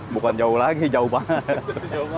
bukan jauh lagi jauh banget